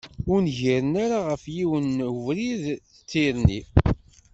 Ur ngiren ara ɣef yiwen n ubrid, d tirni.